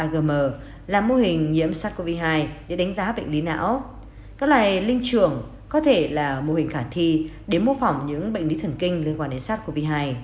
ba gm là mô hình nhiễm sars cov hai để đánh giá bệnh lý não các loài linh trưởng có thể là mô hình khả thi để mô phỏng những bệnh lý thần kinh liên quan đến sars cov hai